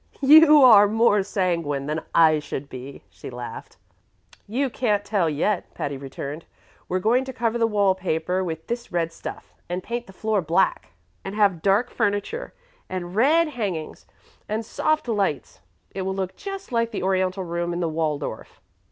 "You are more sanguine than I should be," she laughed. "You can't tell yet," Patty returned. "We're going to cover the wall paper with this red stuff, and paint the floor black, and have dark furniture, and red hangings, and soft lights. It will look just like the Oriental Room in the Waldorf."